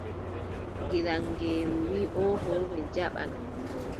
Gilaŋeeru wii: ooho mi jaɓan.